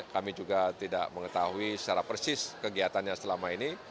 kami juga tidak mengetahui secara persis kegiatannya selama ini